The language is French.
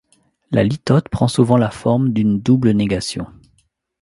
La litote prend souvent la forme d'une double négation.